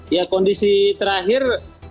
ya kondisi terakhir